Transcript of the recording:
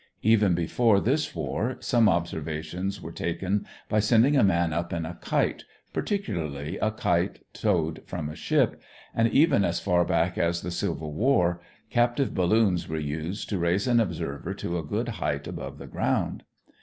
Even before this war, some observations were taken by sending a man up in a kite, particularly a kite towed from a ship, and even as far back as the Civil War captive balloons were used to raise an observer to a good height above the ground.